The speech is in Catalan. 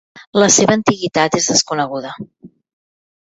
La seva antiguitat és desconeguda.